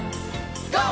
ＧＯ！